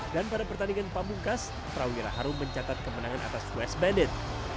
dan pada pertandingan pampungkas trawira harum mencatat kemenangan atas west bandit